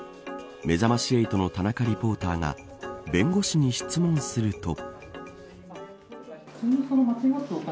めざまし８の田中リポーターが弁護士に質問すると。